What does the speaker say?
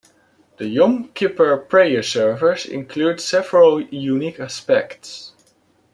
The Yom Kippur prayer service includes several unique aspects.